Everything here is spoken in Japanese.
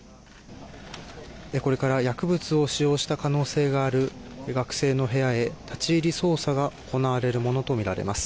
これから薬物を使用した可能性がある学生の部屋へ立ち入り捜査が行われるものとみられます。